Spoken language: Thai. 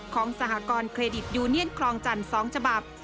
สหกรณเครดิตยูเนียนคลองจันทร์๒ฉบับ